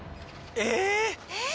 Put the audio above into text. えっ！